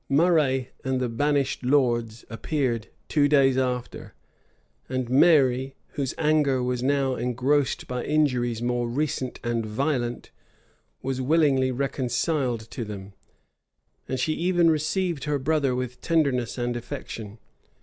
Murray and the banished lords appeared two days after; and Mary, whose anger was now engrossed by injuries more recent and violent, was willingly reconciled to them; and she even received her brother with tenderness and affection.